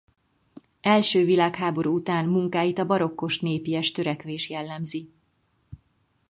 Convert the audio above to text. Első világháború után munkáit a barokkos-népies törekvés jellemzi.